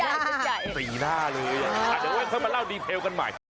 สีหน้าเลยอ่ะเดี๋ยวค่อยมาเล่าดีเทลกันใหม่